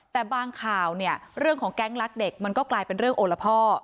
แต่บางข่าวเนี่ยเรื่องของแก๊งรักเด็กมันก็กลายเป็นเรื่องโอละพ่อ